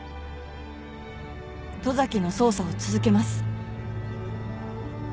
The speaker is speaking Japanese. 十崎の捜査を続けます。